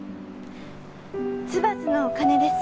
ツバスの鐘です。